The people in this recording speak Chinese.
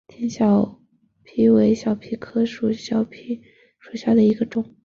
天水小檗为小檗科小檗属下的一个种。